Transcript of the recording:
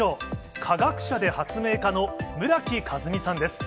化学者で発明家の村木風海さんです。